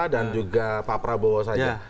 dan juga pak prabowo saja